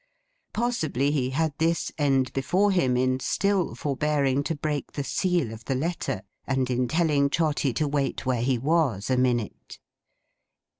Possibly he had this end before him in still forbearing to break the seal of the letter, and in telling Trotty to wait where he was, a minute.